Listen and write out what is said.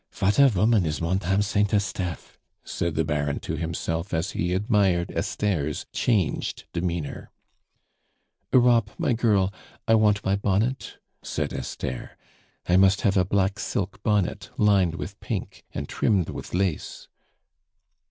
"Vat a voman is Montame Saint Estefe!" said the Baron to himself as he admired Esther's changed demeanor. "Europe, my girl, I want my bonnet," said Esther. "I must have a black silk bonnet lined with pink and trimmed with lace."